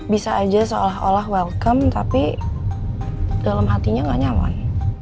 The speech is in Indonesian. bisa aja seolah olah welcome tapi dalam hatinya nggak nyaman